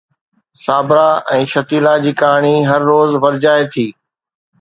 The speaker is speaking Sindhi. صابره ۽ شتيلا جي ڪهاڻي هر روز ورجائي ٿي.